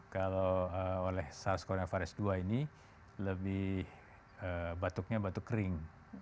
kalau oleh sars cov dua ini lebih batuknya batuk kering